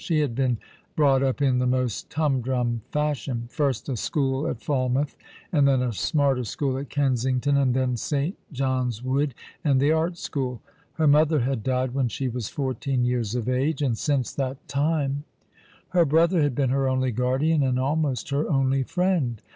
She had been brought up in the most humdrum fashion. First a school at Falmouth, and then a smarter school at Kensington, and then St. John's Wood and the Art School. Her mother had died when she was fourteen years of age, and since that time her brother had been her only guardian and almost her only friend.